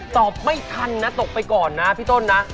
ตอบไม่ทันนะตกไปก่อนนะพี่ต้นนะ